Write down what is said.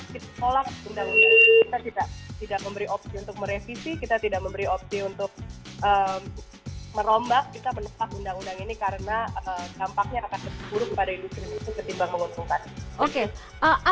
jadi kita tidak memberi opsi untuk merevisi kita tidak memberi opsi untuk merombak kita menetap undang undang ini karena dampaknya akan keburuk pada industri ini ketimbang menguntungkan